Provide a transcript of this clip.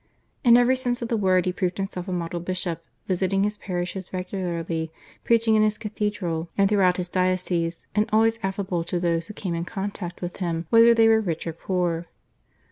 In every sense of the word he proved himself a model bishop, visiting his parishes regularly, preaching in his cathedral and throughout his diocese, and always affable to those who came in contact with him whether they were rich or poor.